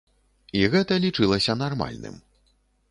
І гэта лічылася нармальным.